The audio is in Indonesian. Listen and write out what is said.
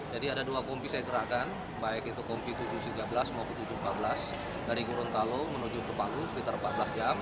jadi ada dua kompi saya gerakan baik itu kompi tujuh tiga belas maupun tujuh empat belas dari gorontalo menuju ke palu sekitar empat belas jam